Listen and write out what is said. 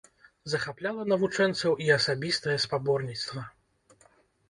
Захапляла навучэнцаў і асабістае спаборніцтва.